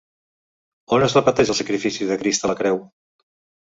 On es repeteix el sacrifici de Crist a la creu?